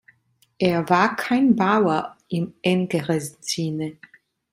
Er war kein Bauer im engeren Sinne.